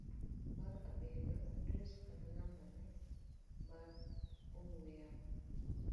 mar abiriyo. Adres kata nambane mar ong'we yamo